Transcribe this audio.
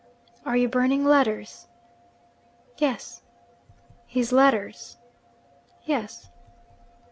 'Are you burning letters?' 'Yes.' 'His letters?' 'Yes.'